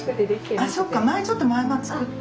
あっそっか前ちょっと前は作ってたよね。